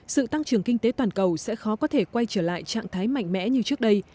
sự tăng trưởng kinh tế toàn cầu sẽ khó có thể quay trở lại trạng thái mạnh mẽ như trước đây